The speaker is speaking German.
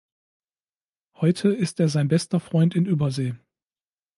Heute ist er sein bester Freund in Übersee.